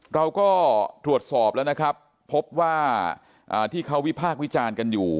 เราก็ตรวจสอบแล้วนะครับพบว่าที่เขาวิพากษ์วิจารณ์กันอยู่